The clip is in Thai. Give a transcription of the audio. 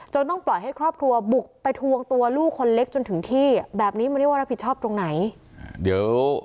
ต้องปล่อยให้ครอบครัวบุกไปทวงตัวลูกคนเล็กจนถึงที่แบบนี้มันเรียกว่ารับผิดชอบตรงไหนเดี๋ยว